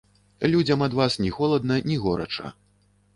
Людзям ад вас ні холадна, ні горача.